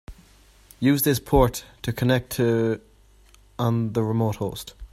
Use this port to connect to on the remote host.